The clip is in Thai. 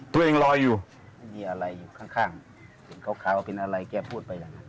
รอยอยู่ไม่มีอะไรอยู่ข้างเห็นขาวเป็นอะไรแกพูดไปอย่างนั้น